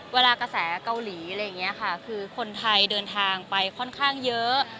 เวลากระแสเกาหลีคือคนไทยเดินทางไปค่อนข้างเยอะ